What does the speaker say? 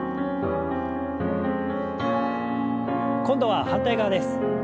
今度は反対側です。